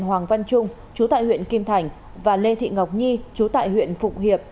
hoàng văn trung trú tại huyện kim thành và lê thị ngọc nhi trú tại huyện phục hiệp